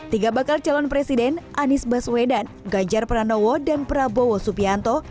tiga bakal calon presiden anies baswedan ganjar pranowo dan prabowo subianto